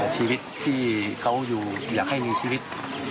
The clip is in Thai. ชีวิตที่เขาอยู่อยากให้มีชีวิต